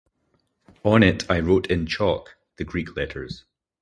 On it I wrote in chalk the Greek letters.